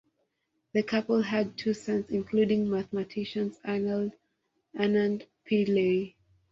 The couple had two sons including mathematician Anand Pillay.